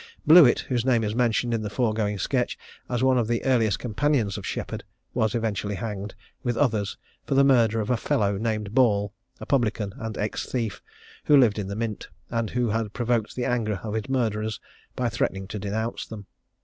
Blewitt, whose name is mentioned in the foregoing sketch, as one of the earliest companions of Sheppard, was eventually hanged, with others, for the murder of a fellow named Ball, a publican and ex thief, who lived in the Mint, and who had provoked the anger of his murderers, by threatening to denounce them.